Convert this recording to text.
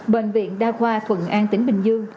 bệnh viện đa khoa thuận an tỉnh bình dương